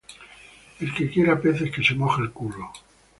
El que quiera peces que se moje el culo